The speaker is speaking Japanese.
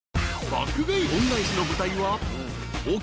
［爆買い恩返しの舞台は］